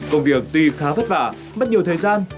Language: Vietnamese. công việc tuy khá vất vả mất nhiều thời gian